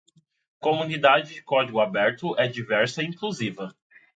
Comunidade de código aberto é diversa e inclusiva.